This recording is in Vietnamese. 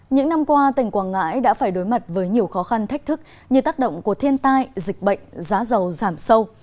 những năm qua tỉnh quảng ngãi đã phải đối mặt với nhiều khó khăn thách thức như tác động của thiên tai dịch bệnh giá giàu giảm sâu